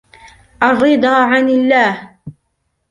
الرِّضَى عَنْ اللَّهِ